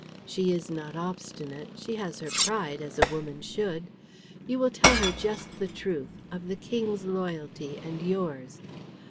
She is not obstinate; she has her pride as a woman should. You will tell her just the truth, of the King's loyalty and yours.